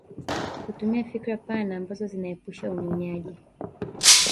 Kutumia fikra pana ambazo zinaepusha unyonyaji